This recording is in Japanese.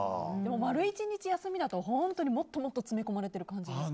丸１日休みだと本当にもっともっと詰め込まれている感じですか。